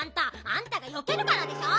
あんたがよけるからでしょ？